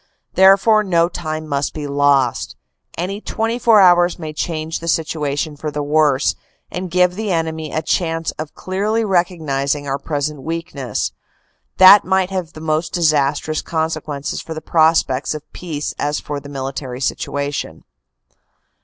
" Therefore no time must be lost. Any twenty four hours may change the situation for the worse, and give the enemy a chance of clearly recognizing our present weakness. That might have the most disastrous consequences for the prospects of peace as for the military situation.